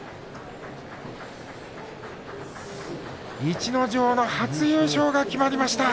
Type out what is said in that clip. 逸ノ城の初優勝が決まりました。